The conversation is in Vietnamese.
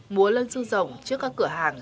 múa lân sư rồng trước các cửa hàng